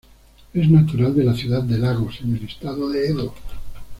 Es natural de la ciudad de Lagos en el estado de Edo.